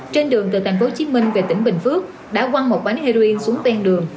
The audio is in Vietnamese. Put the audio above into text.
trên đường từ tp hcm về tỉnh bình phước đã quăng một bánh heroin xuống ven đường